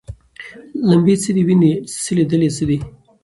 لمبې څه دي ویني څه لیدل یې څه دي